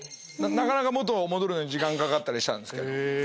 なかなか元に戻るのに時間かかったりしたんですけど。